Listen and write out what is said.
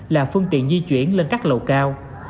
là phương tiện di chuyển lên các lầu cao